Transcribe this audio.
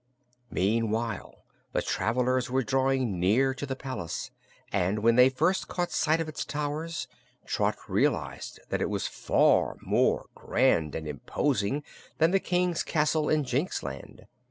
Meantime the travelers were drawing near to the palace, and when they first caught sight of its towers Trot realized that it was far more grand and imposing than was the King's castle in Jinxland.